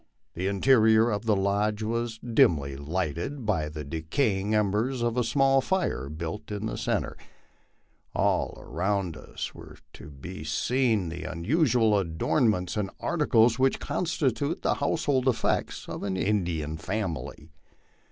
The interior of the lodge was dimly lighted by the decaying embers of a small fire built in, the centre. All around us were to be seen the usual adornments and articles which constitute the household effects of an Indian family.